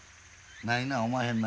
ないなおまへんな